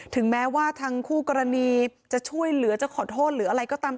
ถึงแม้ว่าทางคู่กรณีจะช่วยเหลือจะขอโทษหรืออะไรก็ตาม